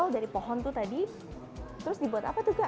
dari pohon tuh tadi terus dibuat apa tuh kak